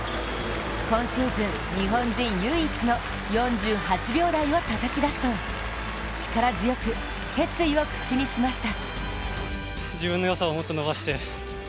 今シーズン日本人唯一の４８秒台をたたき出すと力強く決意を口にしました。